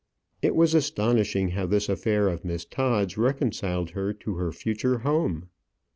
It was astonishing how this affair of Miss Todd's reconciled her to her future home.